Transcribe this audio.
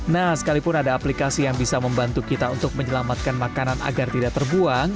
nah sekalipun ada aplikasi yang bisa membantu kita untuk menyelamatkan makanan agar tidak terbuang